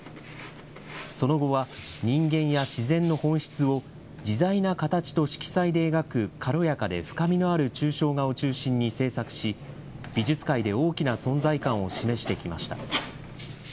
その後は人間や自然の本質を、自在な形と色彩で描く軽やかで深みのある抽象画を中心に制作し、美術界で大きな存在感を示してきました。